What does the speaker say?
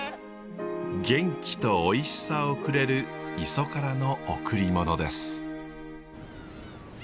元気とおいしさをくれる磯からの贈り物です。